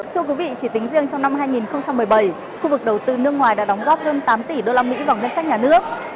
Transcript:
thưa quý vị chỉ tính riêng trong năm hai nghìn một mươi bảy khu vực đầu tư nước ngoài đã đóng góp hơn tám tỷ usd vào ngân sách nhà nước